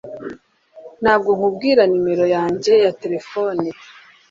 Ntabwo nkubwira numero yanjye ya terefone